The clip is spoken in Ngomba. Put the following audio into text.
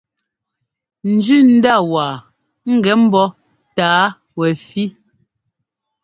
Njʉndá wá ŋgɛ́ mbɔ́ tǎa wɛfí.